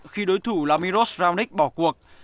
khi đối thủ lamiros raonic bỏ cuộc